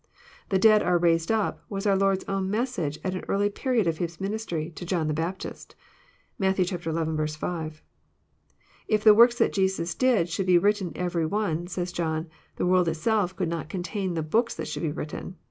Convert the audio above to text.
'* The dead are raised up," was our Lord's own message, at an early period of His ministiy, to John the Baptist. (Matt. xl. 5.) If the works that Jesus did should be written every one," says John, the world Itself could not contain the books that should be written."